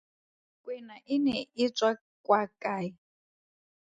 Kwena e ne e tswa kwa kae?